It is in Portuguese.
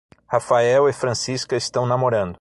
Rafael e Francisca estão namorando.